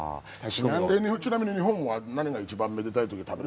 ちなみに日本は何が一番めでたい時に食べる。